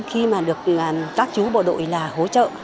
khi mà được các chú bộ đội hỗ trợ